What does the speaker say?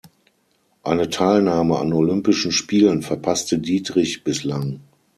Eine Teilnahme an Olympischen Spielen verpasste Dietrich bislang.